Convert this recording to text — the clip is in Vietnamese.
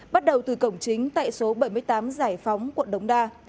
bắt đầu từ cổng chính tại số bảy mươi tám giải phóng quận đống đa